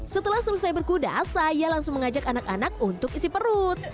setelah selesai berkuda saya langsung mengajak anak anak untuk isi perut